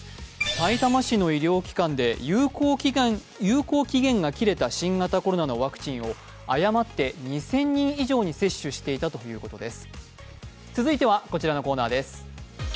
さいたま市の医療機関で有効期限が切れた新型コロナのワクチンを誤って２０００人以上に接種していたということです。